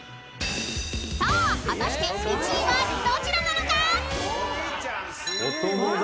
［さあ果たして１位はどちらなのか！？］